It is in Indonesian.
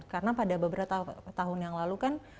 karena pada beberapa tahun yang lalu kan